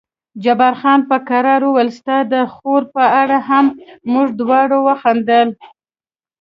جبار خان په کرار وویل ستا د خور په اړه هم، موږ دواړو وخندل.